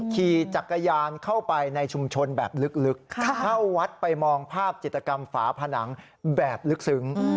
ขี่จักรยานเข้าไปในชุมชนแบบลึกเข้าวัดไปมองภาพจิตกรรมฝาผนังแบบลึกซึ้ง